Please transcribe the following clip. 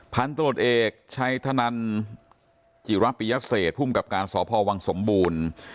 พันธุ์ตรวจเอกชัยธนันทร์จิรัพยาเศษพุ่มกับการสภพวังสมบูรณ์